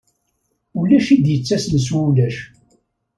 Ulac i d-yettasen s wulac.